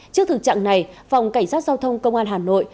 trước thực trạng này phòng cảnh sát giao thông công an hà nội